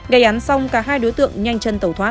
gây án xong cả hai đối tượng nhanh chân tẩu thoát